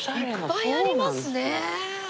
いっぱいありますね！